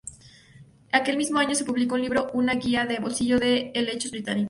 Aquel mismo año, se publicó su libro "Una guía de bolsillo de helechos británicos".